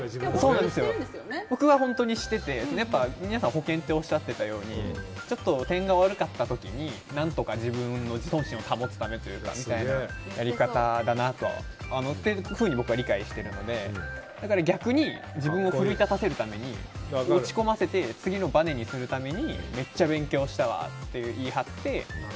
僕は本当にしてて、皆さん保険っておっしゃってたようにちょっと点が悪かった時に自分の自尊心を保つためにやるやり方だなというふうに僕は理解しているので逆に、自分を奮い立たせるために落ち込ませて次のばねにするためにめっちゃ勉強したわって言い張って。